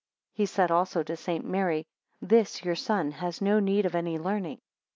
12 He said also to St. Mary, This your son has no need of any learning.